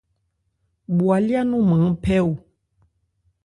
Bwalyá nɔn maán phɛ́ o.